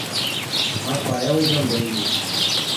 Rafael Jambeiro